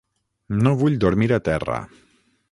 No vull dormir a terra.